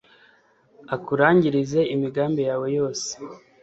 akurangirize imigambi yawe yose